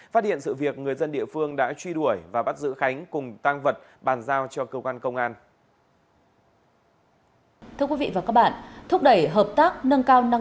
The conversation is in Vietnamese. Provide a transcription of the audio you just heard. phát hiện sự việc người dân địa phương đã truy đuổi và bắt giữ khánh cùng tăng vật bàn giao cho cơ quan công an